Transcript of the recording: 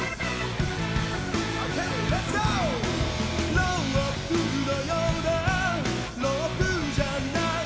「ロープのようでロープじゃないんだ」